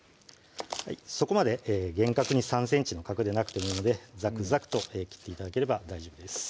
そこまで厳格に３ｃｍの角でなくてもいいのでざくざくと切って頂ければ大丈夫です